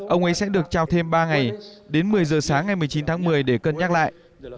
ông ấy sẽ được trao thêm ba ngày đến một mươi giờ sáng ngày một mươi chín tháng một mươi để cân nhắc lại